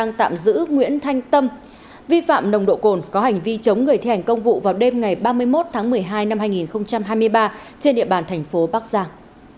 công an tp bắc giang đang tạm giữ nguyễn thanh tâm vi phạm nồng độ cồn có hành vi chống người thi hành công vụ vào đêm ngày ba mươi một tháng một mươi hai năm hai nghìn hai mươi ba trên địa bàn tp bắc giang